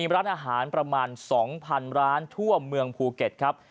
ร้านอาหารประมาณ๒๐๐๐ร้านทั่วเมืองภูเก็ตครับ